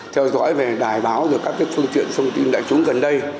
theo dõi về đài báo rồi các phương tiện thông tin đại chúng gần đây